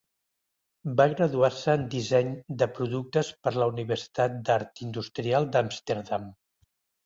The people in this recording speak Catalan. Va graduar-se en disseny de productes per la Universitat d'Art industrial d'Amsterdam.